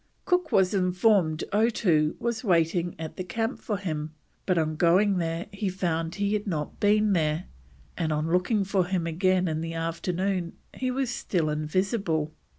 Cook was informed Otoo was waiting at the camp for him, but on going there he found he had not been there, and on looking for him again in the afternoon he was still invisible.